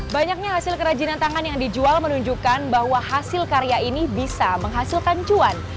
banyaknya hasil kerajinan tangan yang dijual menunjukkan bahwa hasil karya ini bisa menghasilkan cuan